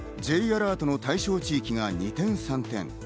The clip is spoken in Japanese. Ｊアラートの対象地域が二転三転。